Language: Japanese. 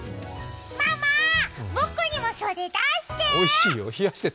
ママ−、僕にもそれ出して！